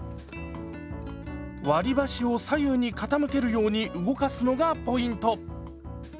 割り箸を左右に傾けるように動かすのがポイント。